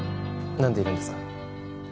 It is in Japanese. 何でいるんですか？